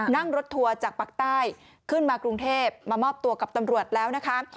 นั่งรถทัวร์จากปากใต้ขึ้นมากรุงเทพมามอบตัวกับตำรวจแล้วนะคะ